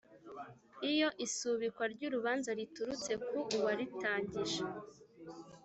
Iyo isubikwa ry urubanza riturutse ku uwarutangije